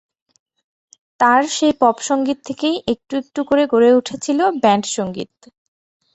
তার সেই পপ সংগীত থেকেই একটু একটু করে গড়ে উঠেছিল ব্যান্ড সংগীত।